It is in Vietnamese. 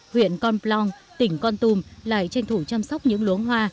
huyện con plong tỉnh con tum lại tranh thủ chăm sóc những luống hoa